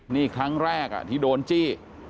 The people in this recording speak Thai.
นี่ครั้งแรกที่โดนจี้